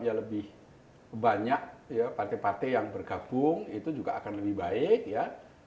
ya lebih banyak ya partai partai yang bergabung itu juga akan lebih baik ya